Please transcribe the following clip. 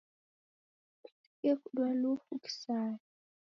Kusighe kudwa lufu kisaya.